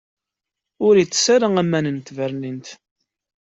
Ur itess ara aman n tbernint.